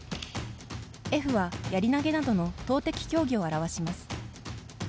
Ｆは、やり投げなどの投てき競技を表します。